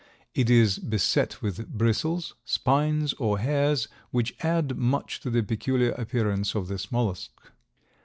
It is beset with bristles, spines or hairs, which add much to the peculiar appearance of this mollusk.